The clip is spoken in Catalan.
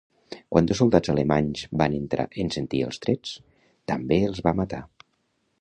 Quan dos soldats alemanys van entrar en sentir els trets, també els va matar.